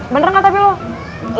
bener gak tapi lo